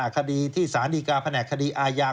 คดีที่สารดีกาแผนกคดีอาญา